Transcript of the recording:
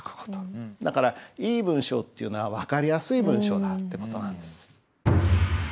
だからいい文章っていうのは分かりやすい文章だって事なんです。